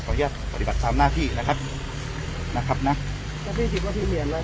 ขออนุญาตปฏิบัติตามหน้าพี่นะครับนะครับนะพี่คิดว่าพี่เหนียงแล้ว